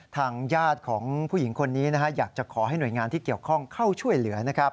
ทางญาติของผู้หญิงคนนี้อยากจะขอให้หน่วยงานที่เกี่ยวข้องเข้าช่วยเหลือนะครับ